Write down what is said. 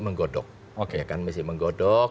menggodok oke kan masih menggodok